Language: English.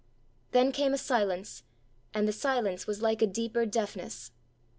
Then came a silence, and the silence was like a deeper deafness.